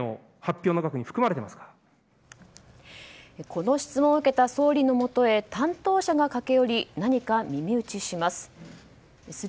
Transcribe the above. この質問を受けた総理のもとへ担当者が駆け寄り何か耳打ちします。